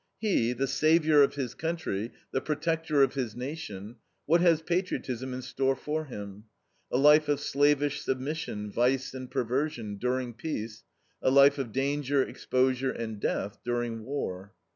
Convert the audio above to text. He, the savior of his country, the protector of his nation, what has patriotism in store for him? A life of slavish submission, vice, and perversion, during peace; a life of danger, exposure, and death, during war.